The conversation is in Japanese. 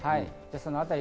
そのあたり